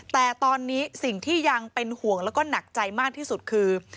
แต่ตอนนี้สิ่งที่ยังเป็นห่วงแล้วก็หนักใจมากที่สุดคือ